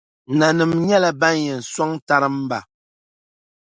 Nanima nyɛla ban yɛn sɔŋ tarimba .